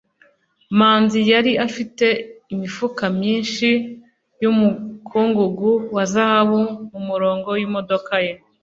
manzi yari afite imifuka myinshi yumukungugu wa zahabu mumurongo wimodoka ye